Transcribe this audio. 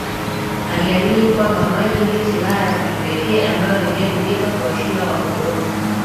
aliamini kwamba maji ndiyo silaha ya kipekee ambayo ingetumika kuwashinda wakoloni